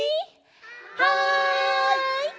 はい！